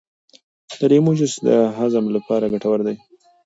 د لیمو جوس د هضم لپاره ګټور دی.